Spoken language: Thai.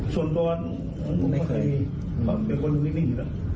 ส่วนตัวไม่เคยมีเป็นคนหนึ่งแล้ว